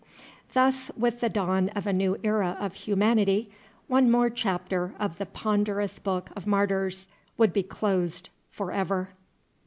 Thus with the dawn of a new era of Humanity, one more chapter of the ponderous book of martyrs would be closed forever.